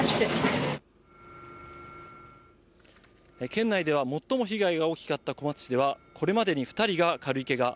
県内では最も被害が大きかった小松市では、これまでに２人が軽いけが。